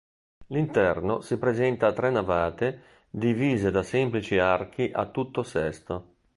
L'interno si presenta a tre navate divise da semplici archi a tutto sesto.